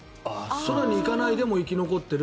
空に行かないでも生き残ってる。